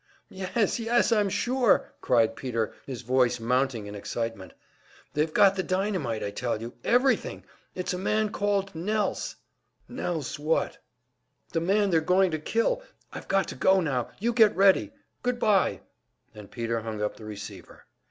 "Yes, yes, I'm sure!" cried Peter, his voice mounting in excitement. "They've got the dynamite, I tell you everything! It's a man named Nelse." "Nelse what?" "The man they're going to kill. I've got to go now, you get ready. Good bye!" And Peter hung up the receiver.